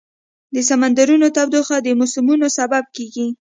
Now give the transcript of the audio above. د سمندرونو تودوخه د موسمونو سبب کېږي.